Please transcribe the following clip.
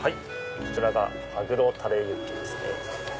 こちらがマグロタレユッケですね。